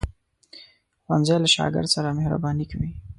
ښوونځی له شاګرد سره مهرباني کوي